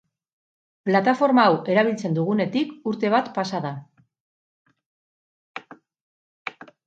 Plataforma hau erabiltzen dugunetik urte bat pasa da.